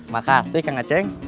makasih kang aceh